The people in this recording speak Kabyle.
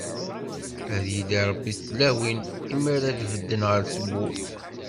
Ad yili Ṛebbi d tlawin, i mi ara d-bedden ɣef tewwurt.